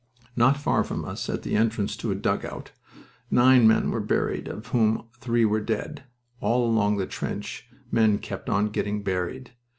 "Not far from us, at the entrance to a dugout, nine men were buried, of whom three were dead. All along the trench men kept on getting buried.